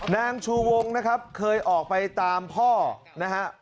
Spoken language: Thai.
นางชูวงนะครับเคยออกไปตามพ่อนะฮะ